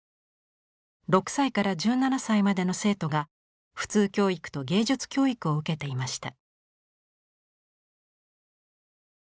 ６歳から１７歳までの生徒が普通教育と芸術教育を受けていました。